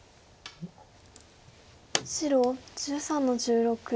白１３の十六。